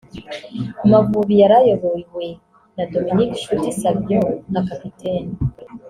Amavubi yari ayobowe na Dominique Nshuti Savio nka kapiteni